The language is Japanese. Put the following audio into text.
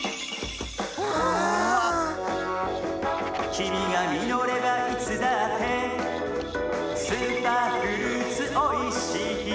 「きみがみのればいつだってスーパーフルーツおいしいよ」